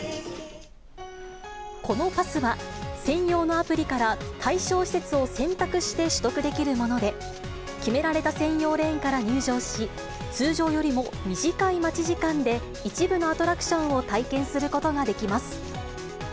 このパスは、専用のアプリから対象施設を選択して取得できるもので、決められた専用レーンから入場し、通常よりも短い待ち時間で一部のアトラクションを体験することができます。